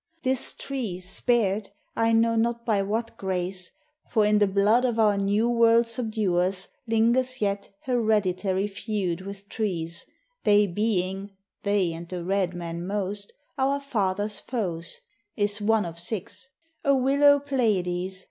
This tree, spared, I know not by what grace, for in the blood Of our New World subduers lingers yet Hereditary feud with trees, they being (They and the red man most) our fathers' foes, Is one of six, a willow Pleiades